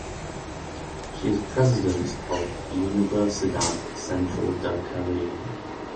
She is president of Universidad Central del Caribe.